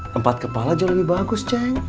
tempat kepala jauh lebih bagus ceng